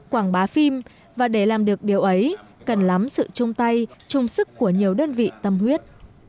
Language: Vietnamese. quảng bá phim và để làm được điều ấy cần lắm sự chung tay chung sức của nhiều đơn vị tâm huyết